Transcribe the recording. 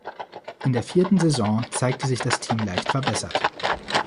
In der vierten Saison zeigte sich das Team leicht verbessert.